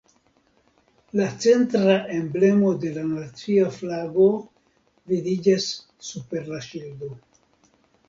La centra emblemo de la nacia flago vidiĝas super la ŝildo.